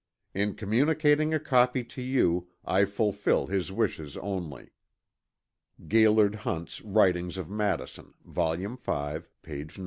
In communicating a copy to you, I fulfill his wishes only." (Gaillard Hunt's Writings of Madison, Vol. V., p. 9.)